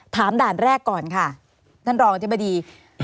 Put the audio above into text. ถามด่านแรกก่อนค่ะท่านรองอาจารย์บดี